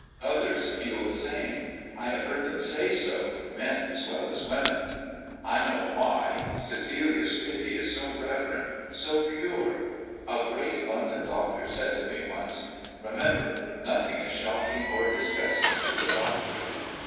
Others feel the same; I have heard them say so men as well as women. I know why Cecilia's pity is so reverent, so pure. A great London doctor said to me once, 'Remember, nothing is shocking or disgusting to a doctor.'